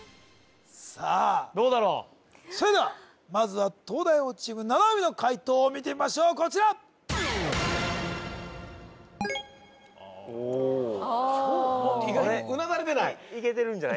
さあ・どうだろうそれではまずは東大王チーム七海の解答を見てみましょうこちら・おあいけてるんじゃない？